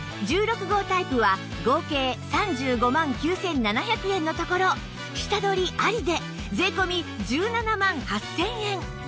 １６号タイプは合計３５万９７００円のところ下取りありで税込１７万８０００円